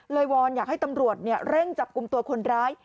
วอนอยากให้ตำรวจเร่งจับกลุ่มตัวคนร้าย